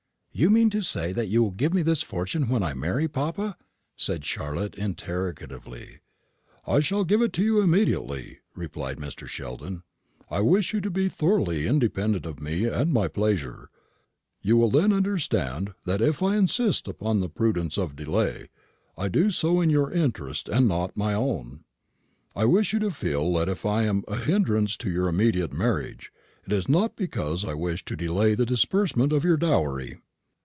"You mean to say that you will give me this fortune when I marry, papa?" said Charlotte, interrogatively. "I shall give it to you immediately," replied Mr. Sheldon. "I wish you to be thoroughly independent of me and my pleasure. You will then understand, that if I insist upon the prudence of delay, I do so in your interest and not in my own. I wish you to feel that if I am a hindrance to your immediate marriage, it is not because I wish to delay the disbursement of your dowry."